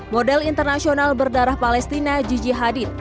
model internasional berdarah palestina gigi hadid